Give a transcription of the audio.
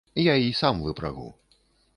Я й сам выпрагу.